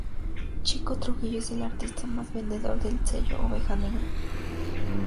Chico Trujillo es el artista más vendedor del sello Oveja Negra.